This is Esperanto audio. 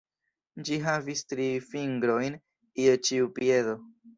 Ĝi havis tri fingrojn je ĉiu piedo.